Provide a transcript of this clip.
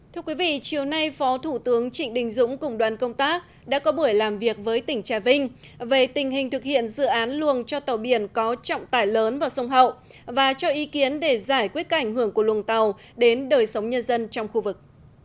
thưa quý vị chiều nay phó thủ tướng trịnh đình dũng cùng đoàn công tác đã có buổi làm việc với tỉnh trà vinh về tình hình thực hiện dự án luồng cho tàu biển có trọng tải lớn vào sông hậu và cho ý kiến để giải quyết các ảnh hưởng của luồng tàu đến đời sống nhân dân trong khu vực